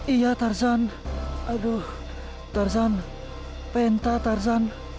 iya tarzan aduh tarzan penta tarzan